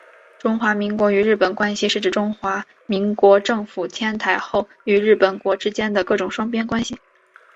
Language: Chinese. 中华民国与日本关系是指中华民国政府迁台后与日本国之间的各种双边关系。